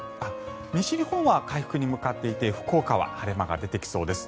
西日本は回復に向かっていて福岡は晴れ間が出てきそうです。